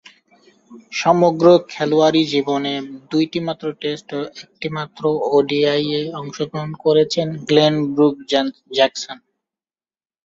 সমগ্র খেলোয়াড়ী জীবনে দুইটিমাত্র টেস্ট ও একটিমাত্র ওডিআইয়ে অংশগ্রহণ করেছেন গ্লেন ব্রুক-জ্যাকসন।